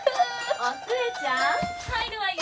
・お寿恵ちゃん入るわよ！